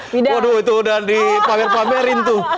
waduh itu udah dipamer pamerin tuh